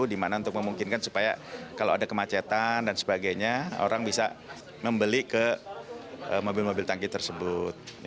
di mana untuk memungkinkan supaya kalau ada kemacetan dan sebagainya orang bisa membeli ke mobil mobil tangki tersebut